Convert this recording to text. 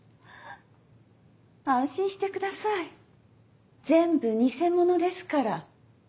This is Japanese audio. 安心してください全部偽物ですから。